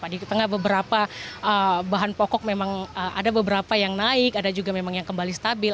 di tengah beberapa bahan pokok memang ada beberapa yang naik ada juga yang kembali stabil